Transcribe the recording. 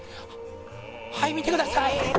はい見てください！